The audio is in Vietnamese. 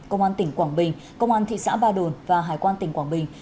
công an tỉnh quảng bình công an thị xã ba đồn và hải quan tỉnh quảng bình